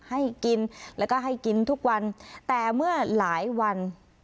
ให้กินแล้วก็ให้กินทุกวันแต่เมื่อหลายวัน